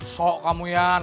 sok kamu yan